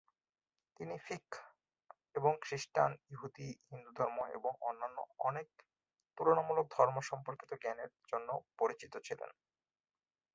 তিনি ফিকহ এবং খ্রিস্টান, ইহুদী, হিন্দু ধর্ম এবং অন্যান্য অনেক তুলনামূলক ধর্ম সম্পর্কিত জ্ঞানের জন্যও পরিচিত ছিলেন।